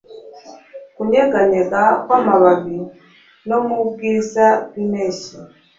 Kunyeganyega kwamababi no mubwiza bwimpeshyi